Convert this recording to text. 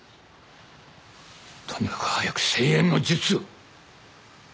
とにかく早く生延の術を。